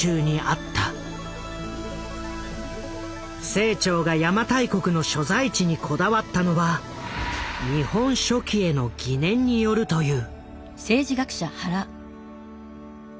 清張が邪馬台国の所在地にこだわったのは「日本書紀」への疑念によるという。